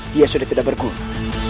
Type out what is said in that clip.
dia sudah tidak berguna